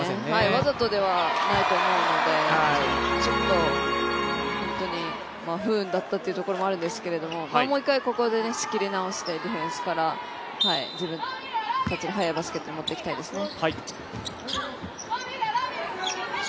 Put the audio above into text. わざとではないと思うのでちょっと本当に不運だったというところもあるんですけどもう一回、ここで仕切り直してディフェンスから自分たちで速いバスケットに持っていきたいですね。